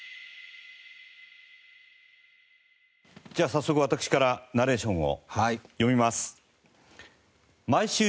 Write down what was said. じゃあ早速私からナレーションを読みます。